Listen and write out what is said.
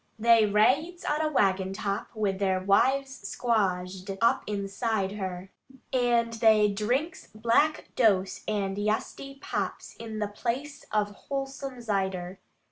They raides on a waggon top with their wives squazed up inside her, And they drinks black dose and yesty pops in the place of wholesome zider.